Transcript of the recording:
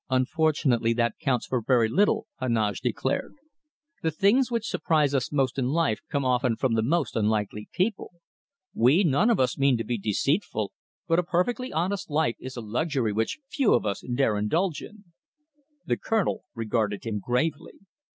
"Unfortunately, that counts for very little," Heneage declared. "The things which surprise us most in life come often from the most unlikely people. We none of us mean to be deceitful, but a perfectly honest life is a luxury which few of us dare indulge in." The Colonel regarded him gravely.